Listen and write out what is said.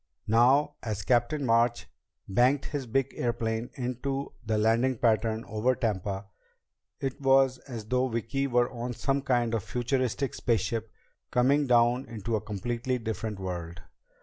Now, as Captain March banked his big airplane into the landing pattern over Tampa, it was as though Vicki were on some kind of futuristic spaceship coming down into a completely different world.